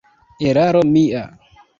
Eraro mia!